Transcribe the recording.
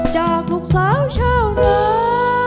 จากลูกสาวเช้าหน้า